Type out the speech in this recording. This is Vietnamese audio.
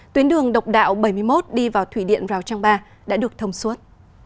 tuyến đường độc đạo bảy mươi một đi vào thủy điện rào trang ba đã được thông suốt